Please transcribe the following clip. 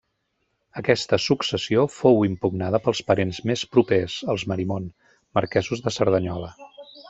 Aquesta successió fou impugnada pels parents més propers, els Marimon, marquesos de Cerdanyola.